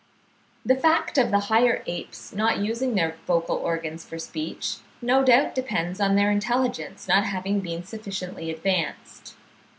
The fact of the higher apes not using their vocal organs for speech, no doubt depends on their intelligence not having been sufficiently advanced.